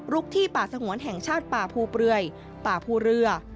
ที่ป่าสงวนแห่งชาติป่าภูเปลือยป่าภูเรือ